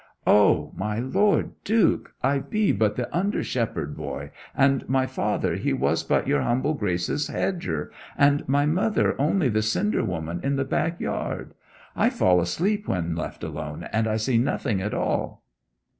'O, my Lord Duke! I be but the under shepherd boy, and my father he was but your humble Grace's hedger, and my mother only the cinder woman in the back yard! I fall asleep when left alone, and I see nothing at all!'